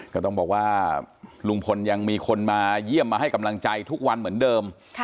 ก็ต้องบอกว่าลุงพลยังมีคนมาเยี่ยมมาให้กำลังใจทุกวันเหมือนเดิม